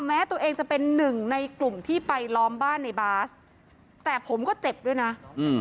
แม้ตัวเองจะเป็นหนึ่งในกลุ่มที่ไปล้อมบ้านในบาสแต่ผมก็เจ็บด้วยนะอืม